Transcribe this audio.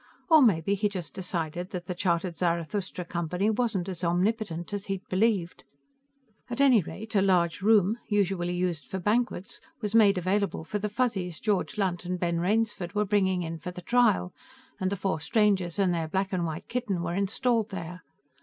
Or maybe he just decided that the chartered Zarathustra Company wasn't as omnipotent as he'd believed. At any rate, a large room, usually used for banquets, was made available for the Fuzzies George Lunt and Ben Rainsford were bringing in for the trial, and the four strangers and their black and white kitten were installed there.